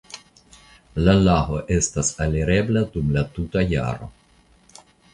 La lago estas alirebla dum la tuta jaro.